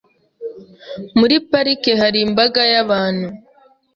Muri parike hari imbaga y'abantu .